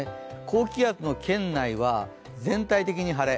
高気圧の圏内は全体的に晴れ。